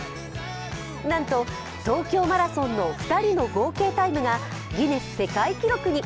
なんと東京マラソンの２人の合計タイムがギネス世界記録に。